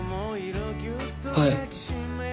はい。